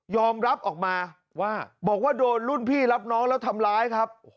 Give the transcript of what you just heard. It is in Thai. ออกมาว่าบอกว่าโดนรุ่นพี่รับน้องแล้วทำร้ายครับ